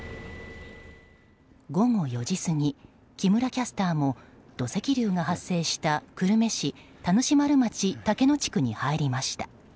午後４時過ぎ、木村キャスターも土石流が発生した久留米市田主丸町竹野地区に入りました。